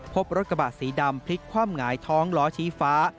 พบรถกระบะสีดำพลิกคว่ำหงายท้องล้อชี้ฟ้า